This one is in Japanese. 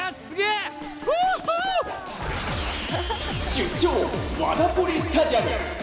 出張ワダポリスタジアム。